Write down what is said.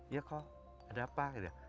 ya kok ada apa